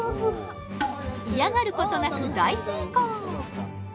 嫌がることなく大成功！